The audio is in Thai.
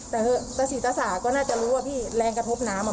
แต่ตะศรีตะสาก็น่าจะรู้ว่าพี่แรงกระทบน้ำอ่ะ